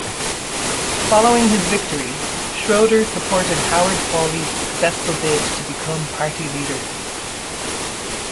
Following his victory, Schroeder supported Howard Pawley's successful bid to become party leader.